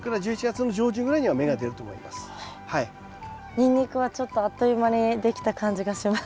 ニンニクはちょっとあっという間にできた感じがします。